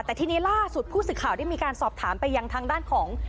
แต่ทีนี้ล่าสุดผู้สื่อข่าวได้มีการสอบถามไปยังทางด้านของ